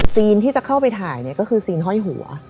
ซีนที่จะเข้าไปถ่ายก็คือซีนห้อยหัว